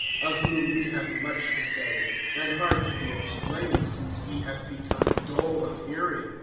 (11)Of whom we have much to say, and hard to be explained, since ye have become dull of hearing.